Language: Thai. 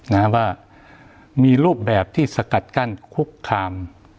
นะว่ามีรูปแบบที่สกัดกั้นคุกคาม